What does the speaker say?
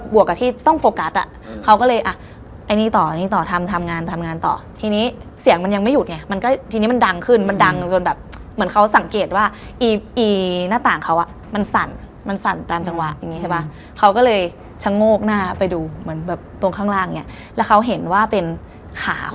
ไม่กลัวเลยไม่มีความกลัวเลยมันก็พอเราอ่ะเนาะ